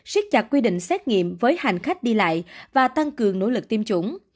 siết chặt quy định xét nghiệm với hành khách đi lại và tăng cường nỗ lực tiêm chủng